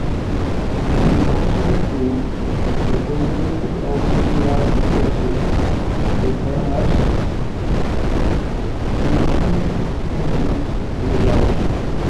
He also proved the possibility of singular detection, a perhaps unintuitive result.